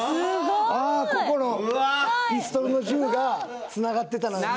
ここのピストルの１０がつながってたのよ。